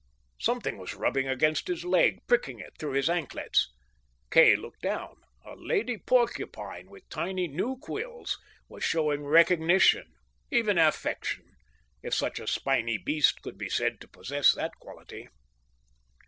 Something was rubbing against his leg, pricking it through his anklets. Kay looked down. A lady porcupine, with tiny new quills, was showing recognition, even affection, if such a spiny beast could be said to possess that quality.